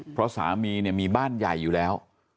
เพราะสามีเนี่ยมีบ้านใหญ่อยู่แล้ว